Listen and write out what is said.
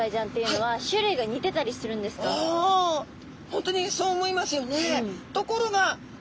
本当にそう思いますよね。